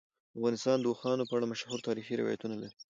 افغانستان د اوښانو په اړه مشهور تاریخی روایتونه لري.